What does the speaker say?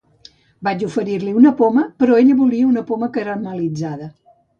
Vaig oferir-li una poma, però ella volia una poma caramel·litzada.